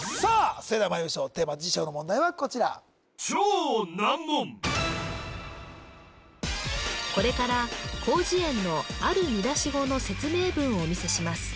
それではまいりましょうテーマ辞書の問題はこちらこれから広辞苑のある見出し語の説明文をお見せします